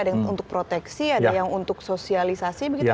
ada yang untuk proteksi ada yang untuk sosialisasi begitu